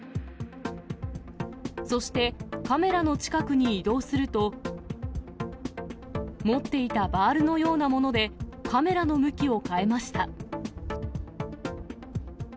そしてカメラの近くに移動すると、持っていたバールのようなもので、カメラの向きを変えました。